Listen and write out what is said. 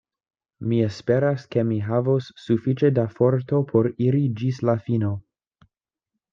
Mi esperas, ke mi havos sufiĉe da forto por iri ĝis la fino.